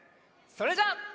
それじゃあ。